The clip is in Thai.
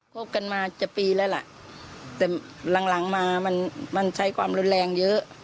คบกันมาจะปีแล้วล่ะแต่หลังหลังมามันมันใช้ความรุนแรงเยอะ